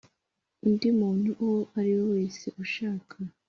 Undi muntu uwo ari we wese ushaka